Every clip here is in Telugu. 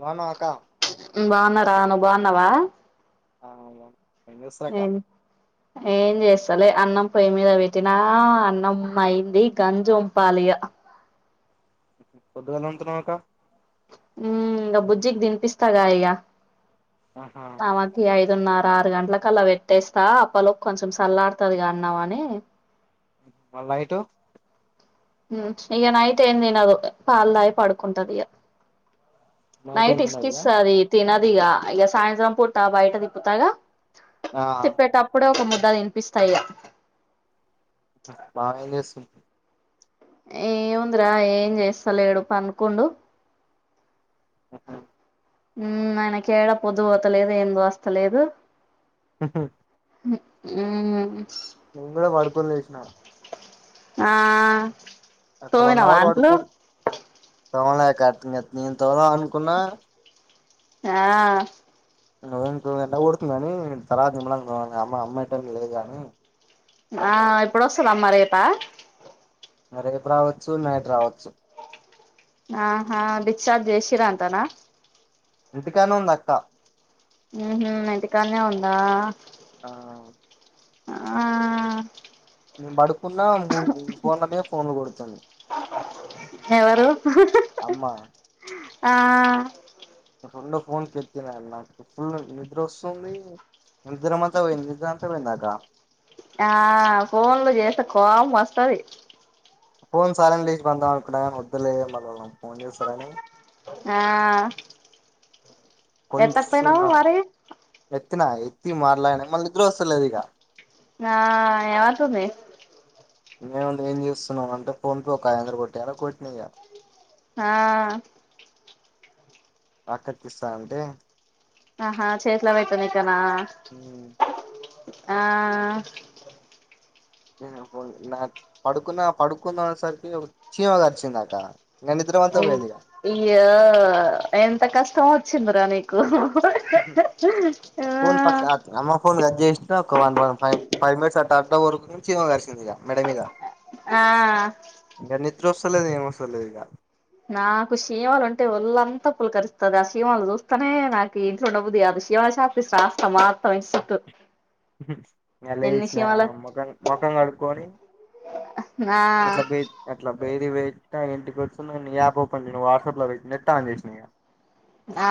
బాగున్నావా అక్క బాగున్న రా నువ్వు బాగున్నావా అవును ఏం చేస్తారు అక్క ఏం ఏం చేస్తాలే అన్నం పొయ్యి మీద పెట్టినా అన్నం అయింది గంజు ఉంపాలి ఈగ పొద్దుగాల ఉతున్నాంక హ ఇకా బుజ్జికి తినిపస్త తాగా ఈగ ఆహా ఆమాకియి ఇదున్నర ఆరు గంటలకలా పెట్టేస్తా అప్పలో కొంచెం సల్ల ఆడుతది కా అన్నామ అని మాల్ నైట్ ఉ ఇక నైతే ఏంది తనదు పాలు తాగి పడుకుంటది ఇక నైట్ ఏమి ఉన్నది ఇస్కి ఇగ ఇస్తది తినదు ఇక ఇక సాయంత్రం పూటా బయట తిప్పుతాగా ఆ తిప్పేటప్పుడే ఒక ముద్ద తినిపిస్తా ఇక మాయనే స ఏముందిరా ఏం చేస్త లేడు పనుకోండు ఆ ఉ ఆయనకి ఏడా పొద్దు పోతలేదు ఏం దోస్తలేదు హ ఉ నేను కూడా పడుకోని లేసిన ఆ అట్లా తోమిన వన్ అవర్ వాంట్లు పడుకోని తోమలే అక్క నెన్ తోముదాం అనుకున్న ఆ ఇంకోంట కొడుతుంది కాని తర్వాత మిమ అమ్ అమ్మ ఏంట లేదుగానీ పా రేపు రావచ్చు నైట్ రావచ్చు ఆహా డిచార్జ్ చేశీరా అంతనా ఇంతకాన ఉందక్క ఉహు ఇంటికడ్నే ఉందా ఆ ఆ నేను పడుకున్న మూ ఫోన్ల మీ ఫోన్లు కొడుతుంది ఎవరు అమ్మ ఆ రెండో ఫోన్ కెత్తిన నాకు ఫుల్ నిద్ర వస్తుంది నిజ్రమాంత పోయింది నిజ్రంత పోయిందగా ఆ పస్తార ఫోన్ సాలని లేచ బందాం అని వదులే మళ్ం ఫోన్ చేస్తారని ఆ ఎత్త పోయినావు మరి ఎత్తనా ఎత్తి మార్లా అనా మళ్ళీ నిద్ర వస్తలేదు ఇక నా ఏవాతంది నేను ఏం చేస్తున్నానంటే ఫోన్ పే ఒక ఆయాందర కొట్టాల కొట్టినయాల ఆ అక్కకిస్తా అంటే ఆహా చేట్ల వయితు నికనా ఆ నా పడుకున్న పడుకున్న సరికి క్షీమ గరిచిందాక ఈ ఈ ఎంత కష్టం వచ్చిందిరా నీకు ఫోన్ పక్క అమ్మ ఫోన్ గ్జస్త ఒక one one five five minutes అట్ట వరకు నుంచి చీమ కరిశింది మెడ మీద ఆ నిద్రొస్తలేదు ఏం ఓస్తలేదు ఇగ నాకు శిమాలు ఉంటే ఒళ్ళంతా పులకరిస్తది ఆ శిమలు చూస్తనే నాకు ఇగ ఇంట్లో ఉండబుద్ధి కాదు శిమలా చాక్పీస్ రాస్తా మొత్తం ఇంటి సుట్టు ఇగ లేషిన ముఖం ముఖం గడుక్కొని ఆ అట్ల బె అట్లా బయటికి పోయి క ఇగ ఇంటికి వచ్చి నీ ఈ యాప్ఓపెన్ నువ్ వాట్సాప్ ల పెట్టినట్టు ఆన్ చేసిన ఇగ ఆ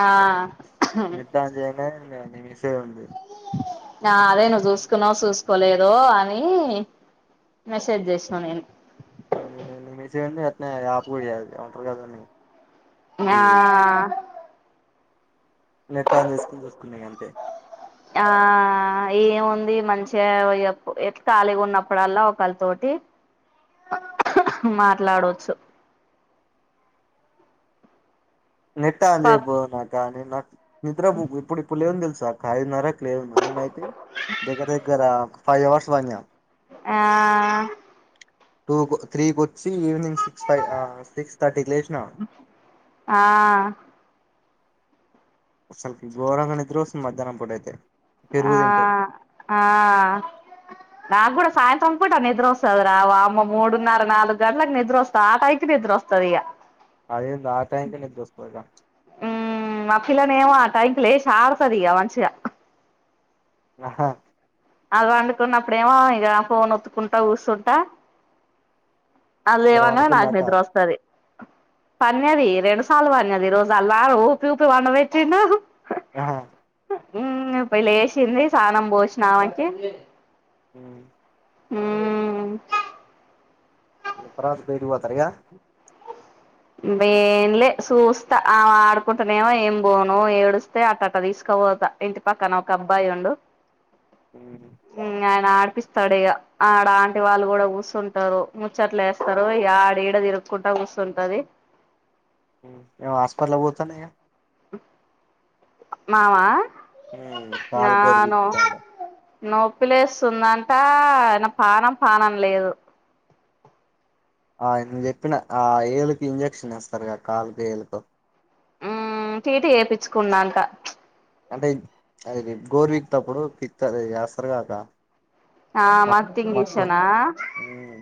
నెట్ ఆన్ చేయంగానే నీ మెసేజ్ ఉంది నా అదే నువ్ చేసుకున్నావ్ చూస్ కోలేదో అని మెసేజ్ చేసిన నేను నా యాపు యా ఏవోంటారు గద దాన్ని యా నెట్ ఆన్ చేసుకొని చూసుకున్నా ఇగ అంతే ఆ ఆ ఏముంది మంచిగా ఎ ఇగ ఖాళీగున్నప్పుడల్లా ఒకళతోటి మాట్లాడోచ్చు నెట్టా ఆన్ చేయక పక్ పొదునాక్క నాక్ నిద్ర ఇప్పుడు ఇప్పుడు లేవన్ తెల్ సా అక్క అయిదున్నర లేవన్ ఎన్ని అయితే దగ్గర దగ్గర ఒక ఫైవ్ అవర్స్ వన్యా ఆ టూకు త్రీకోచ్చి ఈవినింగ్ సి సిక్స్ ఫైవ్ ఆ సిక్స్ థర్టీ కీ లేసినా ఆ అసలికి గోరంగా నిద్రొస్తుంది మధ్యాహ్నం పూటైతే ఆ ఆ నాకూడా ఓస్ సాయంత్రం పూట నిద్రొస్తది రా వామ్మో మూడున్నర నాలుగు గంటలకు నిద్ర వస్తది ఆ టైం కి నిద్ర వస్తది ఇగ అదేంది ఆ టైంకే నిద్ర వస్తది ఇగ ఉమ్ అఖిల నేమో ఆ టైం లెషీ అడుతదీ ఇగ మంచిగా ఆహా అది వండుకున్నప్పుడేమో ఇగ ఫోన్ ఒత్తుకుంటా కూస్తుంటా అది ఈడ లేవంగనే నాక్ పండుకుందాక నిద్రొస్తది పన్యాది రెండు సాల్లా పన్నది ఈ రోజు అల్లా నానా ఊపిఊపి పండపెటిండు ఆహా ఉ ఇప్పుడే లేశింది సానం పోసినవాకి హ్మ్ హ్మ్ ఉప్పరస్ బయిటీ పొత్తరాఇగా వేన్లే సుస్తా ఆవ ఆడుకుంటనేమో ఏం బోను ఏడుస్తే అట్ట అట్ట తీసుక వోతా ఇంటి పక్కన ఒక అబ్బాయి ఉండు హుమ్ ఆయన ఆడిపిస్తాడు ఇగ ఆడ ఆంటీ వాళ్ళు కూడా కూసుంటరు ముచ్చట్లేస్తారు ఆడడ తిరుగుకుంట కూసుంటదీ ఇవా ఆస్పట్లా వోతంది గా మామా కాలు గోరు నానో పీకుతాండు నొప్పిలేస్తుందంట ఆయన పానం పానం లేదు ఆయనకి చెప్పిన ఆ ఏళకి ఇంజక్షన్ ఇస్తారుగా కాలుకి ఏలుకో ఉ టీటీ చేయిచ్చుకున్నాంట అంటే అది గోరు పిక్ప్పుడు పికుత చేస్తారు కాక. ఆ మత్తు ఇంజక్షన్ ఉమ్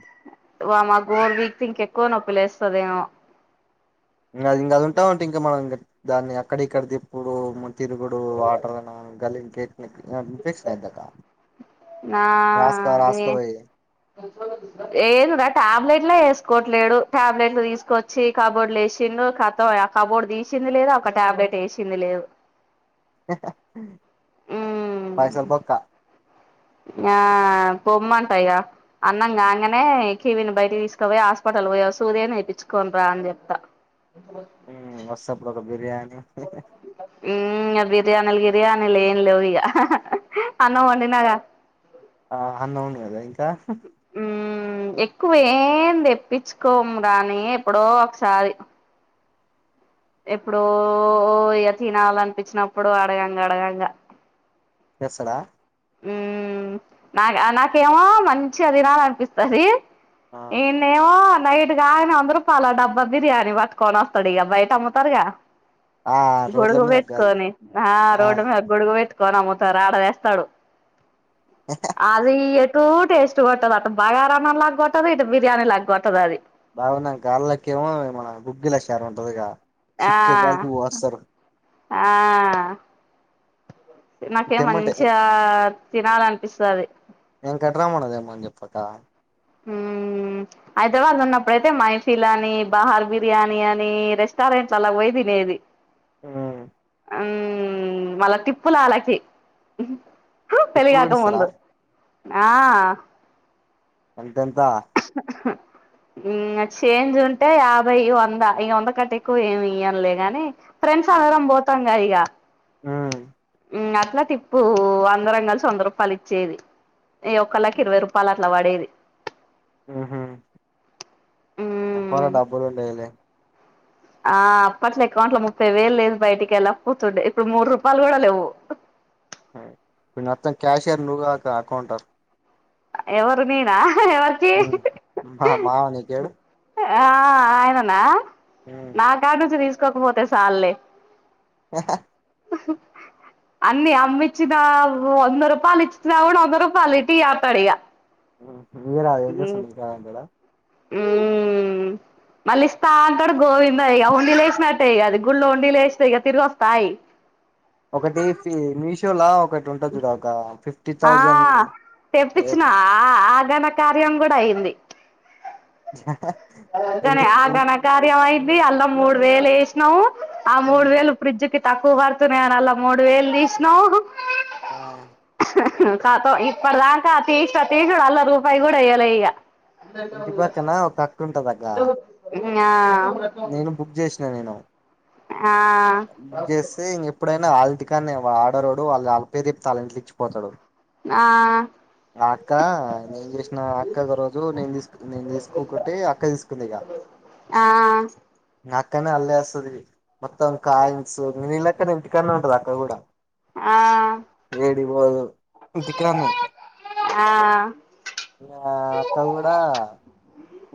వా మా గోర్ వీక్ ఇంకెక్కువ నొప్పి లేస్తదేమో ఇంకాది ఇంకా అది ఉంటావుంటే ఇంకా మనం ఇంకా దాన్ని అక్కడ ఇక్కడిది ఇప్పుడు. తిరుగుడు వాటర్నా గల్లీ ఇన్ఫెక్షన్ అయితదా నా ఏ ఏ రా ట్యాబ్లెట్లా వే తీకోట్లేడు టాబ్లెట్లు తీసుకొచ్చి కబోర్లు లేచిండు కతం ఆ కబోర్డు తీసింది లేదా ఒక టాబ్లెట్ టేషింది లేదు పైసలు బొక్క ఆ పోమ్మంటాయ్యా అన్నం కాంగానే కివిని బయట తీసుకపో హాస్పిటల్ తొలుక పోయి ఒక సూది అయిన వేయించుకొని రా అని చెప్తా వస్తసప్పుడు ఒక బిర్యానీ ఇ బిర్యానీలు బిర్యానీ లేం లేవు ఇక అన్నం వండినా గా ఆ అన్నము ఉందా ఇంకా ఎక్కువేం తెప్పించుకోము కానీ ఎప్పుడో ఒకసారి ఎప్పుడో ఇగ తినాల అనిపించినప్పుడు అడగాంగా అడగాంగా తెస్సాడ ఉ నా నాకేమో మంచి అదినాల అనిపిస్తుంది ఆ ఏ నవా నైట్ గాన్ నీ అందరూ తలో డబ్బా బిర్యానీ పట్టుకొని వస్తాడు ఇక బయట అమ్ముతారుగా ఆ, రోడ్ల మీద గది గొడగువత్కోనీ హా ఆ రోడ్ మ గొగువ కోనమత ఆడ తెస్తాడు అది ఈ ఎ [unintelligible] టేస్ట్ కొట్టదు అటు బగారాన్నం లాగా కొట్టదు ఇటు బిర్యానీ లాగ కొట్టదు అది బాగున్నాం గన్లేకి ఏమో మన గుగ్గిళ్ళ చారు ఉంటందిగా ఆ చిక్కే దాకా కోస్తారు ఆ నాకే తెమ్మంటే మంచిగా తినాల అనిపిస్తుది మని చెప్పట హ హైదరాబాద్ ఉన్నప్పుడైతే మైఫిల్ అని బహార్ బిర్యానీ అని రెస్టారెంట్ అలా పోయి తిని ఏది ఆ ఉ వళ్ళా టిప్పులు వాళ్ళకి ఇప్పుడు కూడా ఇస్తారా ఆ ఎంత ఎంత చేంజ్ ఉంటే యాభై వంద ఈ వంద కట్టా ఎక్కువ ఏమి ఇవ్వంలే గాని. ఫ్రెండ్స్ అందరం పోతాంగా ఇక ఆ అట్లా టిప్పు అందరం కలిసి వంద రూపాయలు ఇచ్చేది. ఒక్కలకి ఇరవై రూపాయలు అట్లా పడేది. [unintelligible] మ్మ్ డబ్బులుండేది లే ఆ అప్పట్లో అకౌంట్లో ముప్పై వేలు లేదు బయటికి వెళ్ళకపోతుండే ఇప్పుడు మూడు రూపాలు కూడా లేవు ఉమ్ ఇప్పుడు మొత్తం క్యాషయర్ నువ్వుక అకౌంటారు ఎవరు నేనా ఎవరికి మా మావానికీయడు ఆ ఆయననా నా కాడ నుంచి తీసుకోకపోతే సల్లే ఆ అన్ని అమ్మి ఇచ్చినా వంద రూపాయలు ఇచ్చినావుం వంద రూపాయలు ఇటీ పడియా మీరా ఎంజేస్తున్నారు అంటాడా ఉమ్ మళ్ళీ ఇస్తా అంటాడు గోవింద ఇక ఉండి లే వేసినట్టే ఇ అది గుళ్ళలో ఉండి లేస్తా ఇక తిరిగి వస్తాయి ఒకటి ఫి మీషోలా ఒకటి ఉంటుంది చూడ అక్క ఫిఫ్ ఆ తెప్పించిన ఆ ఆగనకార్యం కూడా అయింది గని ఇంటి ఆ ఘనకార్య అయింది అల్లా మూడు వేలు వేసినావు ఆ మూడు వేలు ఫ్రిడ్జ్ కి తక్కువ కడుతున్నా అని అలా మూడు వేలు తీసినమ్ ఆ కాతం ఇప్పటి దాకా తీసు తీసుడు అల్ల రూపాయి కూడా ఏయ్యాలె ఇగా ఇంటి పక్కన ఒకక్క ఉంటదక్క ఆ నేను బుక్ చేసినా నేను ఆ బుక్ చేస్తే ఇంక ఎప్పుడైనా అల్లింటి కానే అడరోడు వాళ్ళ పేరు చెప్పి తళ్ళ ఇంంటిలు ఇచ్చిపోతాడు ఆ అక్క నేను చేసిన అక్క ఒక రోజు నేను తీసుకు నేను తీసుకోకటి అక్క తీసుకుంది ఇగ ఆహ అక్కనే అల్లేస్తది మొత్తం కాయిన్స్ నీలెక్కనే అక్క ఇంటికనే ఉంటంది అక్క కూడా ఏడికి పోదు ఇంటికన్నె ఆ ఆ అక్క కూడా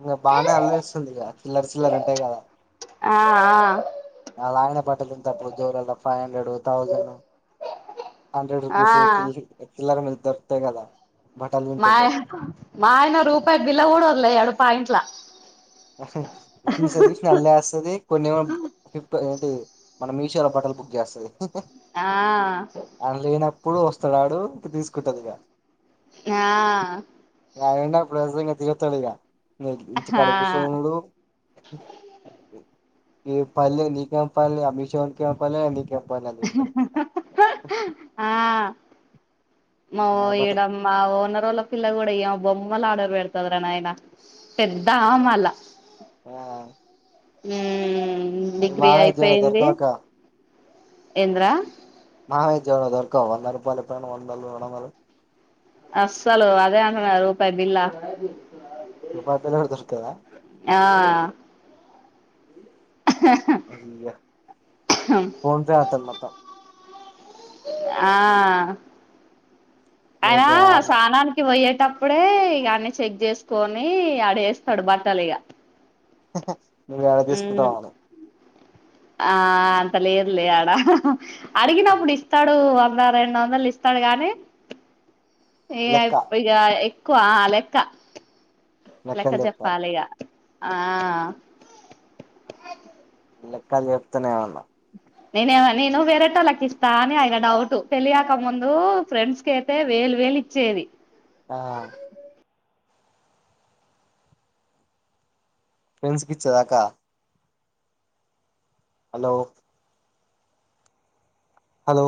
ఇంకా బానే అల్లరిస్తుంది ఇక చిల్లరి చిల్లరి ఉంటాయి కదా ఆ ఆ ఆలయన పట్టలుంటేప్పుడు జోర ఫైవ్ హండ్రెడ్ థౌజను హండ్రెడ్ ఆ రూపీస్ చిల్ చిల్లర్ మీద దొరుకుతాయి కదా బట్టలు మాయ తింటుంటే మాయన రూపాయ బిళ్ళ కూడా వదిలేయడు పాయింట్ల ఉహు తీసినై తీసినట్టు అల్లే ఎస్తది కొన్ని అంటే మన మీషోలో బట్టలు బుక్ చేస్తది ఆ ఇప్పుడు వస్తున్నాడు ఇంక తీసుకుంటదిగా ఆ ఆయన తిడతాడు ఇగ ఇంటికాడ కుస్ తుండు ఈ పల్లే నీకం పల్లే అ మిషోవానికి ఏం పల్లే నీకే ఆ మా ఓ ఆ బట్ ఇడమ ఓనరోళ పిల్ల కూడా ఎమ బొమ్మల ఆడరు పెడుతదీ రా నాయన పెద్ద ఆమె మల్ల ఆ ఉమ్ డిగ్రీ మామయ్య జేబులో అయిపొయింది దొరకవక్క ఎంద్రా ఆ ఉజ్జోగా దొర్కవ వంద రుపాలు పైన వందలు రొండొందలు అస్సలు అదే అంటున్నా రూపాయి బిల్లా రూపాయి బిల్ల గూడ దొరుకుతదా ఆ ఫోన్ చే అటన్ మొత్తం ఆ ఆయనా మీకు సానానికి బొయ్యే టప్పుడే ఇగ అన్నీ చెగ్ చేస్కోని ఆడేస్తాడు బట్టలు ఇగా నువ్వేడ తీసుకొంటవో అని ఆ అంత లేదు లే ఆడా అడిగినప్పుడు ఇస్తాడు వంద రెండొందలు ఇస్తా గానే ఏ లెక్క ఇగ ఎక్కువ ఆ లెక్క లెక్క లెక్కలు చెప్పాలి జెప్పాలిగ ఆ లెక్కలు చెప్తూనేమన్నా నేనేమ నేను వేరేటోళక్కిస్తా అని ఆయన డౌట్ పెళ్లిగాక ముందు ఫ్రెండ్స్ కైతే వేలిచ్చేది ఆ ఫ్రెండ్స్ కిచ్చేదాకా హలో హలో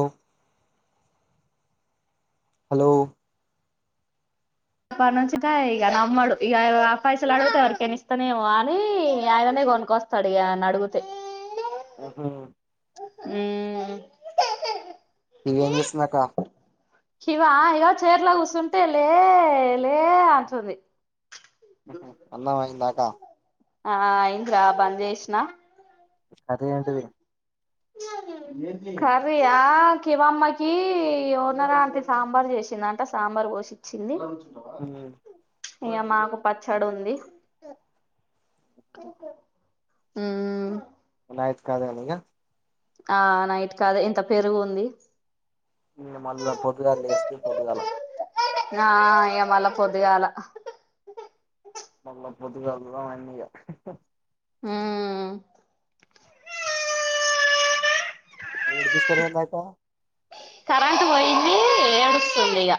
హలో అప్పనుంచిద ఇగ నమ్మడు ఇగ అప్పైయిసలు అడిగుతే ఎవరికైని ఇస్తనేమో అని ఆయననే కొనుకొస్తాడిగా ఆనడుగితే ఆహా ఉమ్ ఏం చేస్తుందక్క షివా ఇగ చైర్లో కూసుంటే లే లే అంటుంది అన్నం అయిందాకా ఆ అయింద్రా బంద్ జేష్నా అది ఏంటది కర్రియా కివమ్మకి ఓనరాంతి సాంబార్ చేసిందంట సాంబార్ పోషిచ్చింది హ్మ్ ఇంగ మాకు పచ్చడుంది మ్మ్ నైట్ కదేనిగ ఆ నైట్ కదే ఇంక పెరుగుంది ఇంగ మళ్ళ పొద్దు గాలేస్తే పొద్దుగాల నా ఇగ మళ్ళ పొద్దుగాల మళ్ళ పొద్దుగాల దుదాం అన్నిగా హ్మ్ ఏడు దిసరేందక కరెంట్ పోయింది ఏడుస్తుంది ఇగ